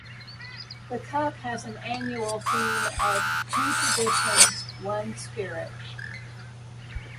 The cup has an annual theme of 'Two Traditions, One Spirit.